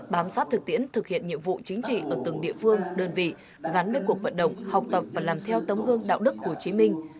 bám sát thực tiễn thực hiện nhiệm vụ chính trị ở từng địa phương đơn vị gắn với cuộc vận động học tập và làm theo tấm gương đạo đức hồ chí minh